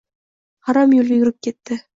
Harom yoʻlga yurib ketdi.